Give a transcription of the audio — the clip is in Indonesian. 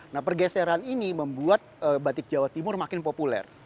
nah pergeseran ini membuat batik jawa timur makin populer